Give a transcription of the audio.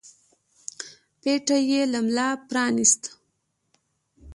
پټۍ يې له ملا پرانېسته.